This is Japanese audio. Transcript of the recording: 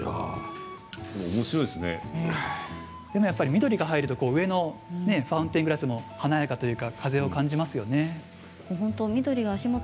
緑が入ると上のファウンテングラスも華やかというか、風を感じますね。